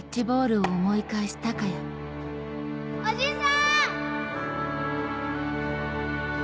おじさん！